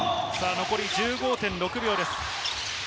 残り１５．６秒です。